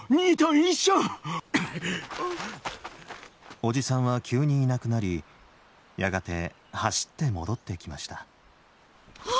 おじさんは急にいなくなりやがて走って戻ってきました。